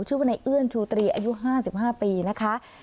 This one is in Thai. ชื่อว่าในเอื้อนชูตรีอายุ๕๕ปีนะคะ